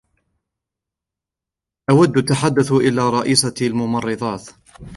أود التحدث إلى رئيسة الممرضات.